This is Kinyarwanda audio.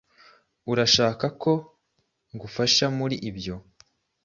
Urashaka ko ngufasha muri ibyo?